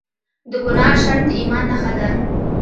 د ګناه شرم د ایمان نښه ده.